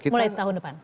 mulai tahun depan